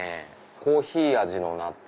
コーヒー味の納豆。